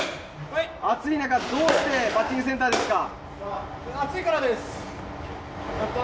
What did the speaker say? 暑い中、どうしてバッティングセンターですか？